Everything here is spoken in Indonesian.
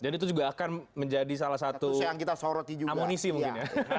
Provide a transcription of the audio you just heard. jadi itu juga akan menjadi salah satu amunisi mungkin ya